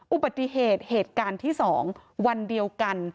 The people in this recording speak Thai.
อุบัติเหตุเหตุการณ์ที่๒วันเดียวกัน